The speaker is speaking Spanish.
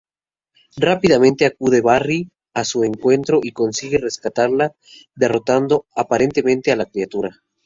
Rápidamente acude Barry a su encuentro y consigue rescatarla, derrotando aparentemente a la criatura.